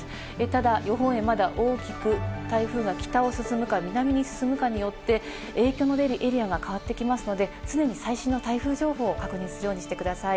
ただ、予報円、まだ大きく、台風が北を進むか、南に進むかによって影響の出るエリアが変わってきますので、常に最新の台風情報を確認するようにしてください。